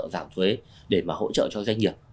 giảm thuế để mà hỗ trợ cho doanh nghiệp